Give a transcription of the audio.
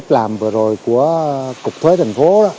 cách làm vừa rồi của cục thuế thành phố